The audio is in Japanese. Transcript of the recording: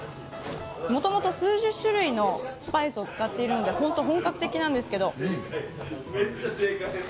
もともと数十種類のスパイスを使っているので本当に本格的なんですけど。